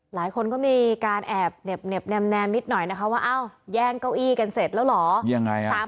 หลายคนก็มีการแอบเหน็บแนมนิดหน่อยนะคะว่าอ้าวแย่งเก้าอี้กันเสร็จแล้วเหรอยังไง